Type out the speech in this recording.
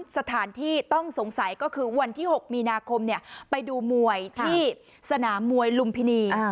สถานที่ต้องสงสัยก็คือวันที่๖มีนาคมไปดูมวยที่สนามมวยลุมพินี